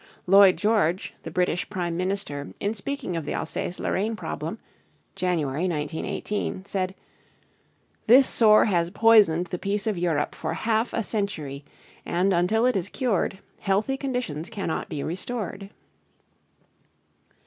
Lloyd George, the British prime minister, in speaking of the Alsace Lorraine problem (January, 1918) said, "This sore has poisoned the peace of Europe for half a century, and until it is cured healthy conditions cannot be restored."